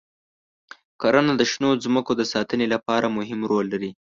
کرنه د شنو ځمکو د ساتنې لپاره مهم رول لري.